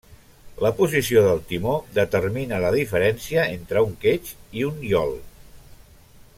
La posició del timó determina la diferència entre un quetx i un iol.